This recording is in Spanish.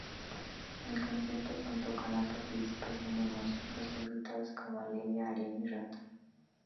El concierto contó con la participación de músicos invitados como Leiva y Ariel Rot.